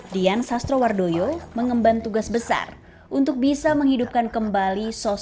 dian sastrowardoyo mengemban tugas besar untuk bisa menghidupkan kembali sosok